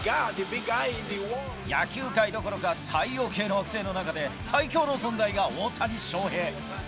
野球界どころか、太陽系の惑星の中で最強の存在が大谷翔平。